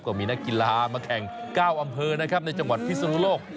ก็มีนักกีฬามาแข่ง๙อำเภอนะครับในจังหวัดพิศนุโลก